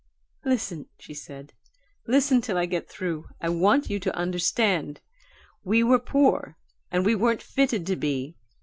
"Listen," she said. "Listen till I get through I want you to understand. We were poor, and we weren't fitted to be.